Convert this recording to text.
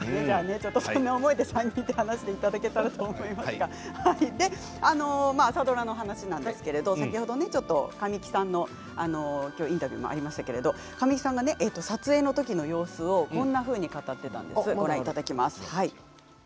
そんな思いで３人で話していただけたらと思いますが朝ドラの話なんですが先ほど神木さんのインタビューもありましたけれども神木さんが撮影の時の様子をこんなふうに語っていたんです。